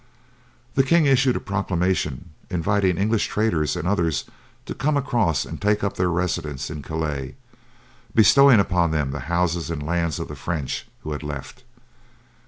The king issued a proclamation inviting English traders and others to come across and take up their residence in Calais, bestowing upon them the houses and lands of the French who had left.